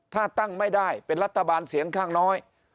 ถ้าตั้งไม่ได้เป็นรัฐบาลเสียงข้างน้อย